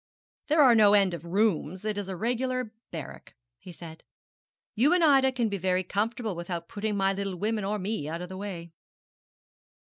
'There are no end of rooms. It is a regular barrack,' he said. 'You and Ida can be very comfortable without putting my little woman or me out of the way.'